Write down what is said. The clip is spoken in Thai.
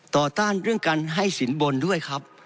ต่อต้านเรื่องการให้ศิลป์จากบริษัทด้วยครับ